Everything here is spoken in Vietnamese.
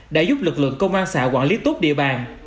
đã giúp lực lượng công an xã quản lý tốt địa bàn